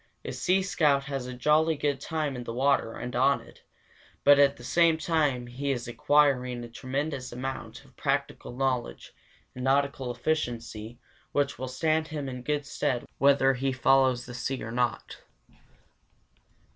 A sea scout has a jolly good time in the water and on it, but at the same time he is acquiring a tremendous amount of practical knowledge and nautical efficiency which will stand him in good stead whether he follows the sea or not.